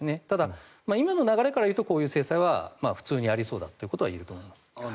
ただ、今の流れからいうとこういう制裁は普通にありそうだということは言えると思います。